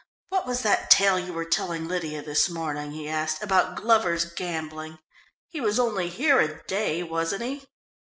"What was that tale you were telling Lydia this morning," he asked, "about Glover's gambling? He was only here a day, wasn't he?"